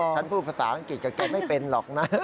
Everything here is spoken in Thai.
พูดภาษาอังกฤษกับแกไม่เป็นหรอกนะ